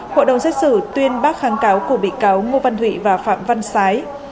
hội đồng xét xử tuyên bác kháng cáo của bị cáo ngô văn thụy và phạm văn sái